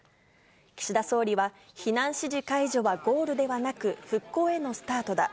岸田総理は、避難指示解除はゴールではなく、復興へのスタートだ。